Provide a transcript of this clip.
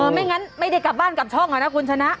ไม่งั้นไม่ได้กลับบ้านกลับช่องอ่ะนะคุณชนะ